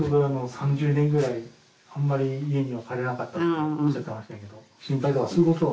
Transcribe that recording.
３０年ぐらいあんまり家には帰らなかったっておっしゃってましたけど心配とかそういうことは？